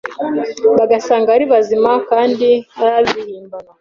bagasanga ari bazima kandi ari ibihimbano,